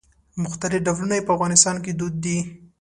مختلف ډولونه یې په افغانستان کې دود دي.